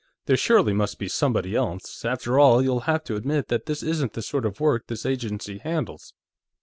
"There surely must be somebody else.... After all, you'll have to admit that this isn't the sort of work this agency handles."